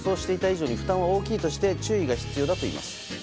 自分で予想していた以上に負担は大きいとして注意が必要だといいます。